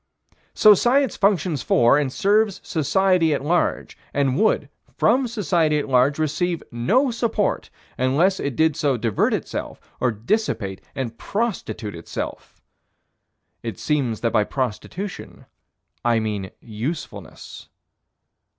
So Science functions for and serves society at large, and would, from society at large, receive no support, unless it did so divert itself or dissipate and prostitute itself. It seems that by prostitution I mean usefulness.